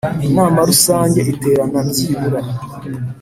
Inama rusange iterana byibura